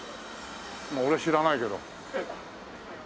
まあ俺は知らないけど。